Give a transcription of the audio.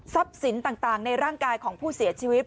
ทีนี้ไปตรวจสอบเรื่องของทรัพย์สินต่างในร่างกายของผู้เสียชีวิต